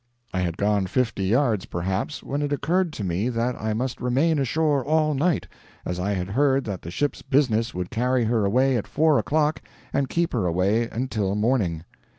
I had gone fifty yards, perhaps, when it occurred to me that I must remain ashore all night, as I had heard that the ship's business would carry her away at four o'clock and keep her away until morning.